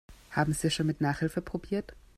Haben Sie es schon mit Nachhilfe probiert?